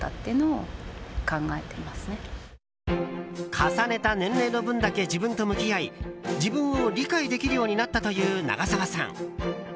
重ねた年齢の分だけ自分と向き合い自分を理解できるようになったという長澤さん。